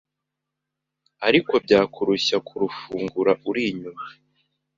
ariko byakurushya kurufungura uri inyuma